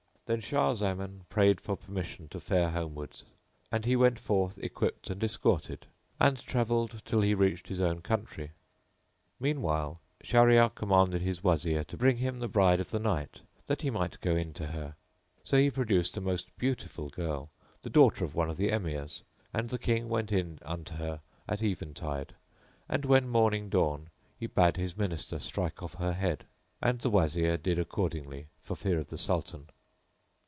Then Shah Zaman prayed for permission to fare homewards; and he went forth equipped and escorted and travelled till he reached his own country. Mean while Shahryar commanded his Wazir to bring him the bride of the night that he might go in to her; so he produced a most beautiful girl, the daughter of one of the Emirs and the King went in unto her at eventide and when morning dawned he bade his Minister strike off her head; and the Wazir did accordingly for fear of the Sultan.